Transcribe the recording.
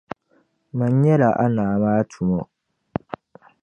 Mani nyɛla a Naa maa tumo.